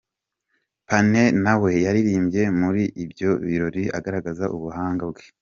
Peniel nawe yaririmbye muri ibyo birori agaragaza ubuhanga bwe.